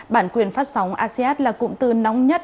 bản quyền phát sóng asean là cụm từ nóng nhất